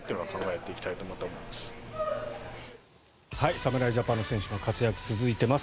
侍ジャパンの選手の活躍が続いています。